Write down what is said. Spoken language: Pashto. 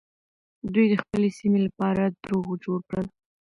دوی د خپلې سيمې لپاره دروغ جوړ کړل.